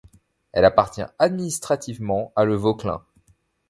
Elle appartient administrativement à Le Vauclin.